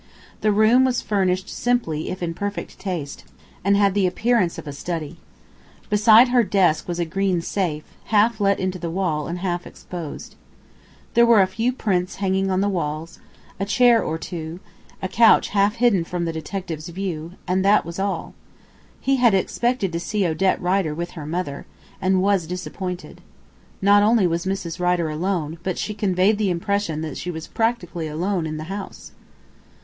The room was furnished simply if in perfect taste, and had the appearance of a study. Beside her desk was a green safe, half let into the wall and half exposed. There were a few prints hanging on the walls, a chair or two, a couch half hidden from the detective's view, and that was all. He had expected to see Odette Rider with her mother, and was disappointed. Not only was Mrs. Rider alone, but she conveyed the impression that she was practically alone in the house.